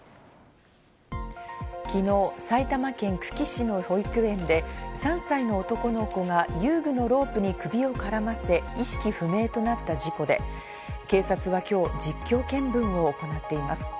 昨日、埼玉県久喜市の保育園で３歳の男の子が遊具のロープに首をからませ、意識不明となった事故で、警察は今日、実況見分を行っています。